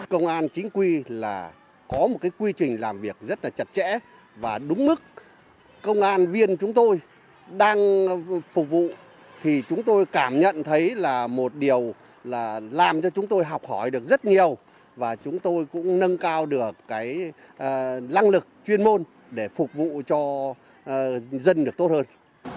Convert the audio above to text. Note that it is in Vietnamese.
công an chính quy là có một cái quy trình làm việc rất là chặt chẽ và đúng mức công an viên chúng tôi đang phục vụ thì chúng tôi cảm nhận thấy là một điều là làm cho chúng tôi học hỏi được rất nhiều và chúng tôi cũng nâng cao được cái năng lực chuyên môn để phục vụ cho dân được tốt hơn